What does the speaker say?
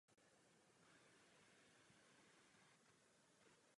Během práce už ale hrál s místními skupinami v kavárnách a menších klubech.